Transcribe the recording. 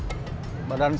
sehingga mereka bisa berpikir